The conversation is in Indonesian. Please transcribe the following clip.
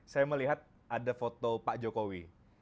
saya melihat ada foto pak jokowi